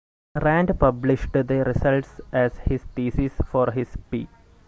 Rand published the results as his thesis for his P.